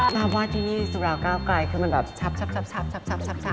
มาวาดที่นี่สุราเก้าไกลคือมันแบบชับ